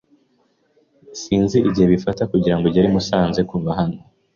Sinzi igihe bifata kugirango ugere i Musanze kuva hano.